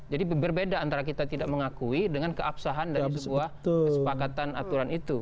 jadi berbeda antara kita tidak mengakui dengan keabsahan dari sebuah kesepakatan aturan itu